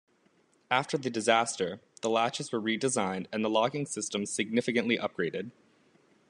After the disaster, the latches were redesigned and the locking system significantly upgraded.